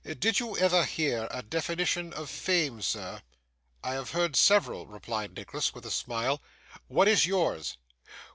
Did you ever hear a definition of fame, sir?' 'I have heard several,' replied Nicholas, with a smile. 'What is yours?